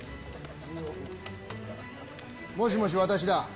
もしもし、私だ。